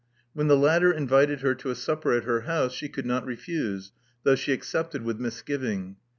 When the latter invited her to a supper at her house, she could not refuse, though she accepted with misgiving.